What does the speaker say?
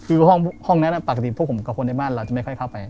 คือห้องนั้นปกติพวกผมกับคนในบ้านเราจะไม่ค่อยเข้าไป